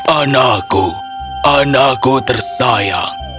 anakku anakku tersayang